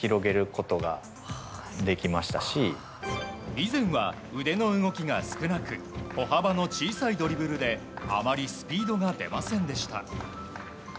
以前は腕の動きが少なく歩幅の小さいドリブルであまりスピードが出ませんでした。